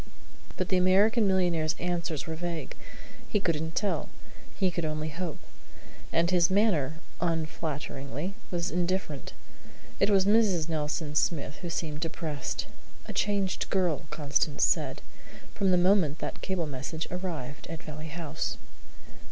But the American millionaire's answers were vague. He couldn't tell. He could only hope. And his manner, unflatteringly, was indifferent. It was Mrs. Nelson Smith who seemed depressed; "a changed girl," Constance said, "from the moment that cable message arrived at Valley House."